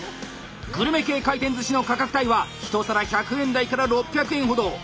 グルメ系回転寿司の価格帯は一皿１００円台６００円ほど！